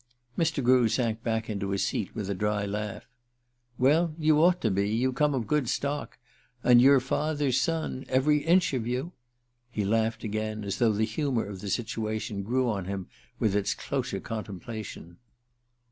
Mr. Grew sank back into his seat with a dry laugh. "Well, you ought to be. You come of good stock. And you're father's son, every inch of you!" He laughed again, as though the humor of the situation grew on him with its closer contemplation.